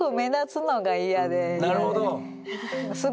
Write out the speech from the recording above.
なるほど。